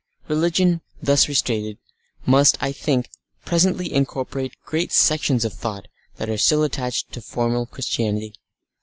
Religion, thus restated, must, I think, presently incorporate great sections of thought that are still attached to formal Christianity.